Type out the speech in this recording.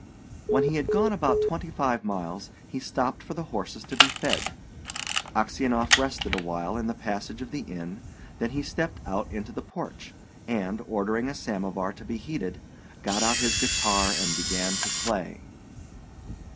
When he had gone about twenty five miles, he stopped for the horses to be fed. Aksionov rested awhile in the passage of the inn, then he stepped out into the porch, and, ordering a samovar to be heated, got out his guitar and began to play.